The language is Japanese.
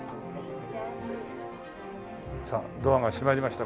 さあドアが閉まりました。